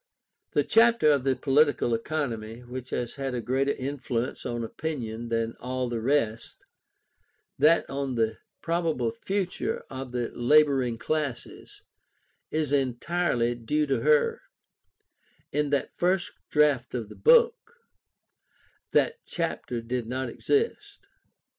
The chapter of the Political Econonomy which has had a greater influence on opinion than all the rest, that on 'the Probable Future of the Labouring Classes,' is entirely due to her; in the first draft of the book, that chapter did not exist.